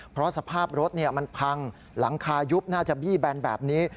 เพราะสภาพรถมันพังหลังคายุบน่าจะบี้แบนแบบนี้